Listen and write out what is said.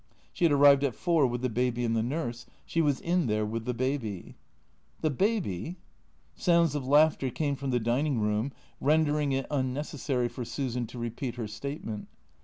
She had arrived at four with the baby and the nurse. She was in there with the baby. " The baby ?" Sounds of laughter came from the dining room, rendering it unnecessary for Susan to repeat her statement.